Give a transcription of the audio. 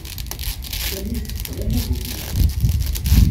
Sami yessefqed annag n ufella.